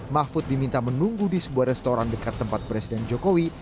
mahfud diminta menunggu di sebuah restoran dekat tempat presiden jokowi